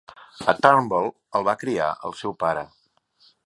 A Turnbull el va criar el seu pare.